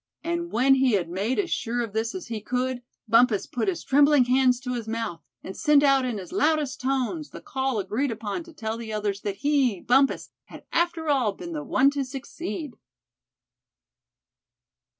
And when he had made as sure of this as he could, Bumpus put his trembling hands to his mouth, and sent out in his loudest tones the call agreed upon to tell the others that he, Bumpus, had after all been the one to succeed.